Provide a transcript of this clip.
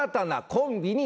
コンビニ！